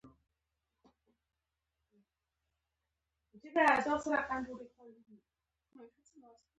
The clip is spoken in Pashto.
دوی خپلې برساتۍ پر ځان ټینګې را تاو کړې وې.